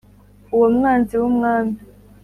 Uwo mwanzi w'umwami